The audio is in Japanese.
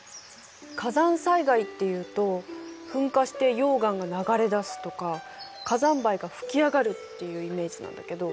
火山災害っていうと噴火して溶岩が流れ出すとか火山灰が吹き上がるっていうイメージなんだけど。